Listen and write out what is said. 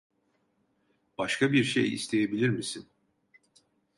Başka bir şey isteyebilir misin?